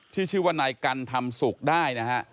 ที่ชื่อว่านายกันทำสุกได้นะฮะ